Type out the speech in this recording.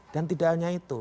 dan tidak hanya itu